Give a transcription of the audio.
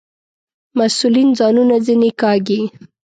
مسئولین ځانونه ځنې کاږي.